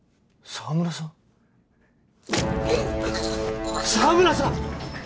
澤村さん！！